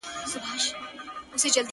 شماره هغه بس چي خوی د سړو راوړي,